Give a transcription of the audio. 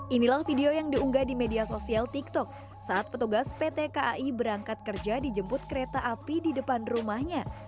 inilah video yang diunggah di media sosial tiktok saat petugas pt kai berangkat kerja dijemput kereta api di depan rumahnya